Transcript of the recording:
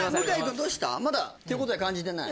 まだ手応え感じてない？